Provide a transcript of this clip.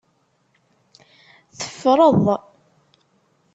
Teffreḍ.